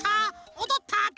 おどった！